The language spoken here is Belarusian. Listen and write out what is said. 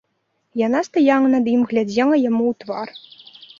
Яна стаяла над ім, глядзела яму ў твар.